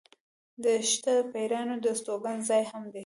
دښته د پېرانو استوګن ځای هم دی.